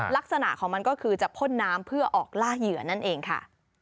ลักษณะของมันก็คือจะพ่นน้ำเพื่อออกล่าเหยื่อนั่นเองค่ะ